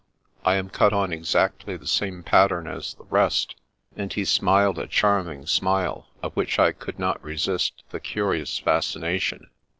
I am cut on exactly the same pattern as the rest," and he smiled a charming smile, of which I could not resist the curious fascination.